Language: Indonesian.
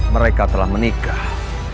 mereka telah menikah